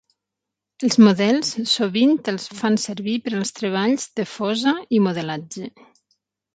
Els models sovint els fan servir per als treballs de fosa i modelatge.